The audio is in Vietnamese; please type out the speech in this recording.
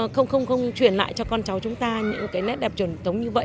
chúng ta không không không truyền lại cho con cháu chúng ta những cái nét đẹp truyền thống như vậy